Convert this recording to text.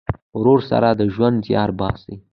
ورور سره د ژوند زیار باسې.